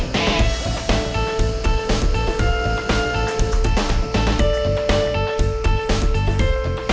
gue mau kejar willi sama moni